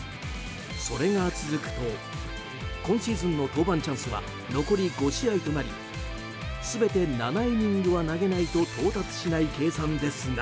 それが続くと今シーズンの登板チャンスは残り５試合となり全て、７イニングは投げないと到達しない計算ですが。